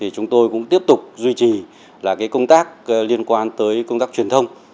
chúng tôi cũng tiếp tục duy trì công tác liên quan tới công tác truyền thông